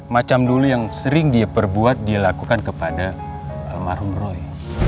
macam dulu yang sering dia perbuat dia lakukan kepada almarhum roy